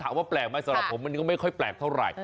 ว่าแปลกไหมสำหรับผมมันก็ไม่ค่อยแปลกเท่าไหร่